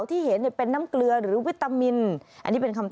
ที่เห็นเนี่ยเป็นน้ำเกลือหรือวิตามินอันนี้เป็นคำ